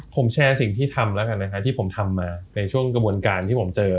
ผมแชร์สิ่งที่ทำแล้วกันนะคะที่ผมทำมาในช่วงกระบวนการที่ผมเจอ